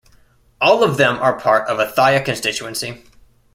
All of them are part of Othaya Constituency.